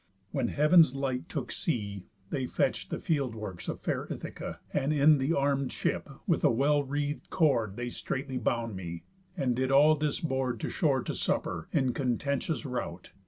When heav'n's light took sea, They fetch'd the field works of fair Ithaca, And in the arm'd ship, with a well wreath'd cord, They straitly bound me, and did all disboard To shore to supper, in contentious rout.